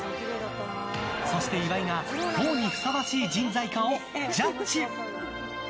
そして岩井が党にふさわしい人材かをジャッジ。